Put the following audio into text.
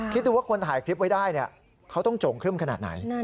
คิดดูว่าคนถ่ายคลิปไว้ได้เขาต้องโจ่งครึ่มขนาดไหน